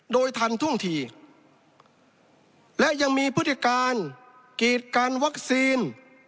โดยทันท่วงทีและยังมีพฤติการกีดกันวัคซีน